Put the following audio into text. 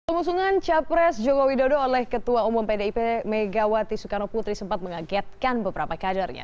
pengusungan capres joko widodo oleh ketua umum pdip megawati soekarno putri sempat mengagetkan beberapa kadernya